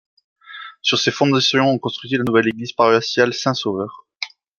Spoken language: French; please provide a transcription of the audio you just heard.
Sur ses fondations, on construisit la nouvelle église paroissiale Saint-Sauveur.